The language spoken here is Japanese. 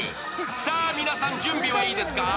さぁ皆さん、準備はいいですか。